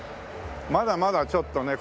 まだまだちょっとね